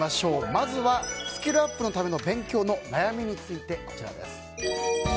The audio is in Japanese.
まずは、スキルアップのための勉強の悩みについてです。